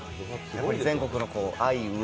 全国の愛飢